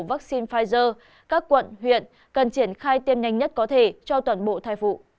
vaccine pfizer các quận huyện cần triển khai tiêm nhanh nhất có thể cho toàn bộ thai phụ